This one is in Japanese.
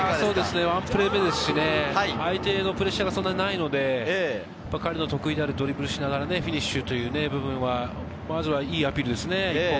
ワンプレー目ですしね、相手のプレッシャーがそんなにないので彼の得意であるドリブルをしながらフィニッシュという部分は、まずはいいアピールですね。